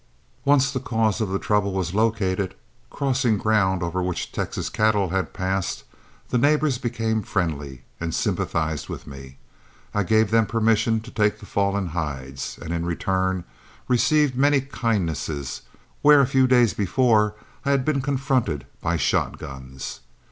Once the cause of the trouble was located, crossing ground over which Texas cattle had passed, the neighbors became friendly, and sympathized with me. I gave them permission to take the fallen hides, and in return received many kindnesses where a few days before I had been confronted by shotguns.